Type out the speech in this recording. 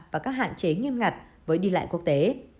và các hạn chế nghiêm ngặt với đi lại quốc tế